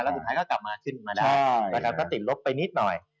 แล้วสุดท้ายก็กลับมาขึ้นมาแล้วก็ติดลบไปนิดหน่อย